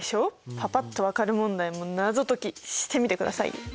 パパっと分かる問題も謎解きしてみてください。